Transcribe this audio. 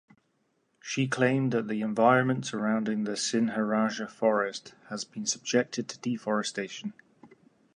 She claimed that the environment surrounding the Sinharaja forest has been subjected to deforestation.